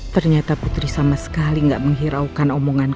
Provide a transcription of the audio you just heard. ternyata putri sama sekali gak menghiraukan omong omongnya